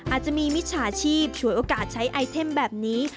อาจจะมีมิจฉาชีพฉวยโอกาสใช้ไอเทมแบบนี้